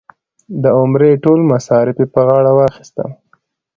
د عمرې ټول مصارف یې په غاړه واخیستل.